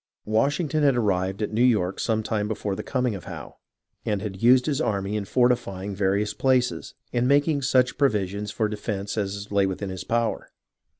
Washington had arrived at New York some time before the coming of Howe, and had used his army in fortifying various places, and making such provisions for defence as lay within his power.